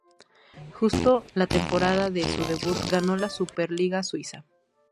Justo la temporada de su debut ganó la Super Liga Suiza.